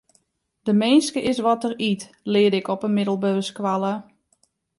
De minske is wat er yt, learde ik op 'e middelbere skoalle.